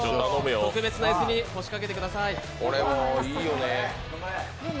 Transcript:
特別な椅子に腰掛けてください。